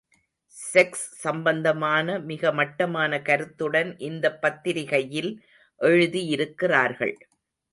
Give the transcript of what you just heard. Sex சம்பந்தமான மிக மட்டமான கருத்துடன் இந்தப் பத்திரிகையில் எழுதியிருக்கிறார்கள்.